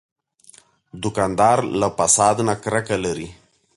دوکاندار له فساد نه کرکه لري.